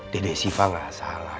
dede siva nggak salah